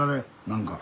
何か。